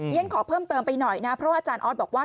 ฉันขอเพิ่มเติมไปหน่อยนะเพราะว่าอาจารย์ออสบอกว่า